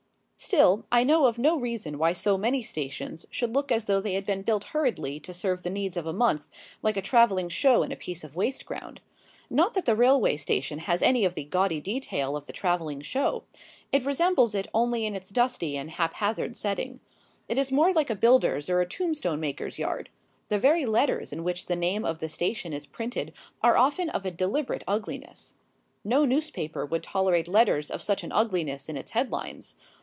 Still, I know of no reason why so many stations should look as though they had been built hurriedly to serve the needs of a month, like a travelling show in a piece of waste ground. Not that the railway station has any of the gaudy detail of the travelling show. It resembles it only in its dusty and haphazard setting. It is more like a builder's or a tombstone maker's yard. The very letters in which the name of the station is printed are often of a deliberate ugliness. No newspaper would tolerate letters of such an ugliness in its headlines.